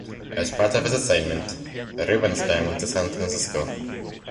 As part of this assignment, Rubinstein went to San Francisco.